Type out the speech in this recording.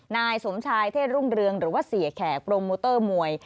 นายสมชายเทศรุ่งเรืองหรือว่าเสียแขกโปรโมเตอร์มวย